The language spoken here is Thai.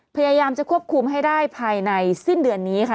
พยายามจะควบคุมให้ได้ภายในสิ้นเดือนนี้ค่ะ